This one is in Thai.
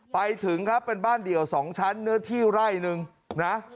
ไปถึงครับเป็นบ้านเดี่ยว๒ชั้นเนื้อที่ไร่นึงนะ